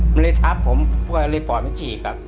มันเลยทับผมก็เลยปอดมันฉีกครับ